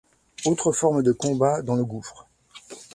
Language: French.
Autre forme de combat dans le gouffre